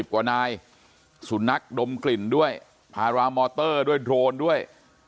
กว่านายสุนัขดมกลิ่นด้วยพารามอเตอร์ด้วยโดรนด้วย